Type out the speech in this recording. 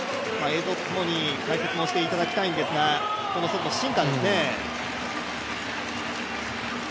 映像とともに解説していただきたいんですが外のシンカーですね。